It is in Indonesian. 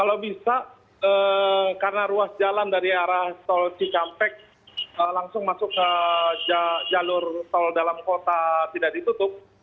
kalau bisa karena ruas jalan dari arah tol cikampek langsung masuk ke jalur tol dalam kota tidak ditutup